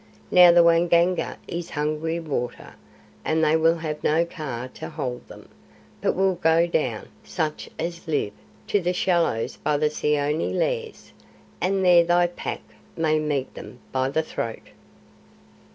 Now the Waingunga is hungry water, and they will have no Kaa to hold them, but will go down, such as live, to the shallows by the Seeonee Lairs, and there thy Pack may meet them by the throat."